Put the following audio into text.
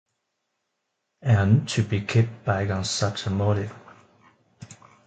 And to be kept back on such a motive!